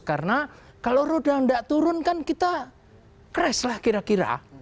karena kalau roda tidak turun kan kita crash lah kira kira